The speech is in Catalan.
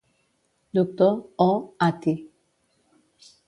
"Dr." o "Atty".